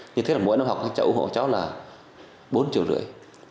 như thế là mỗi năm học các cháu ủng hộ cháu là bốn triệu rưỡi